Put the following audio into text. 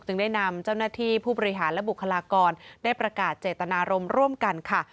ได้นำเจ้าหน้าที่ผู้บริหารและบุคลากรได้ประกาศเจตนารมณ์ร่วมกันค่ะ